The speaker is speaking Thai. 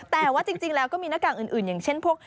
แต่ว่าจริงแล้วก็มีหน้ากากอื่นอย่างเช่นพวก